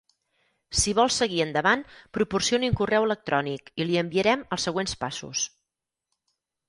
Si vol seguir endavant proporcioni un correu electrònic i li enviarem els següents passos.